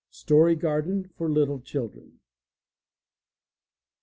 Story Garden for Little Children.